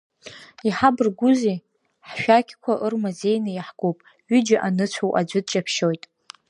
Иҳабаргәузеи, ҳшәақьқәа ырмазеины иаҳкуп, ҩыџьа аныцәоу аӡәы дҷаԥшьоит.